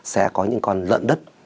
sẽ có những con lợn đất